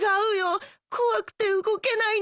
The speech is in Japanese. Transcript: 怖くて動けないんだ。